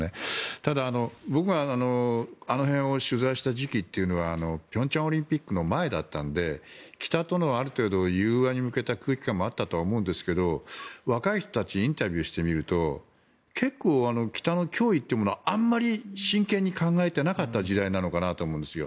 ただ、僕があの辺を取材した時期というのは平昌オリンピックの前だったので北との融和に向けた空気感もあったと思うんですが若い人たちにインタビューしてみると結構、北の脅威というものをあまり真剣に考えていなかった時代なのかなと思うんです。